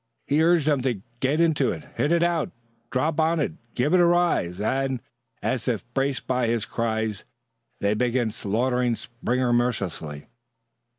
He urged them to "get into it," "hit it out," "drop on it," "give it a rise," and, as if braced by his cries, they began slaughtering Springer mercilessly.